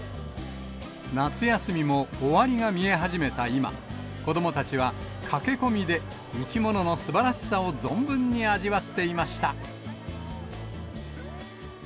夏休みも終わりが見え始めた今、子どもたちは、駆け込みで生き物のすばらしさを存分に味わっていました。